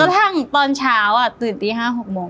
ทั้งตอนเช้าตื่นตี๕๖โมง